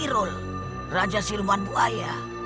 tadi rul raja siluman buaya